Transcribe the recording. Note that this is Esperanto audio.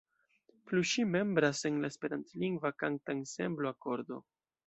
Plu ŝi membras en la esperantlingva kanta ensemblo Akordo.